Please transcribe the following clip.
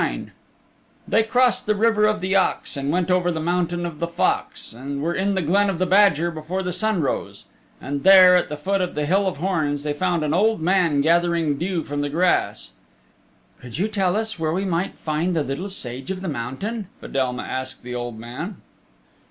IX They crossed the River of the Ox, and went over the Mountain of the Fox and were in the Glen of the Badger before the sun rose. And there, at the foot of the Hill of Horns, they found an old man gathering dew from the grass. "Could you tell us where we might find the Little Sage of the Mountain?" Fedelma asked the old man.